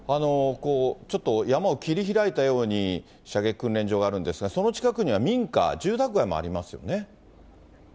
ちょっと山を切り開いたように射撃訓練場があるんですが、その近くには民家、住宅街もありますよね。